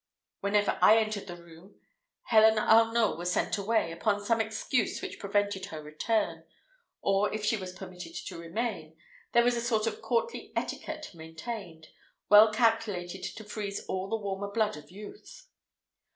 Whenever I entered the room, Helen Arnault was sent away, upon some excuse which prevented her return; or if she was permitted to remain, there was a sort of courtly etiquette maintained, well calculated to freeze all the warmer blood of youth.